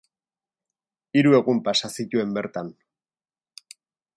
Hiru egun pasa zituen bertan.